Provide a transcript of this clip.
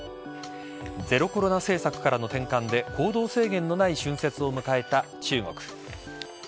ゼロコロナ政策からの転換で行動制限のない春節を迎えた中国。